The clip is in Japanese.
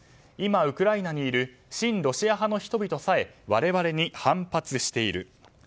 今、ウクライナにいる親ロシア派の人々さえ我々に反発している。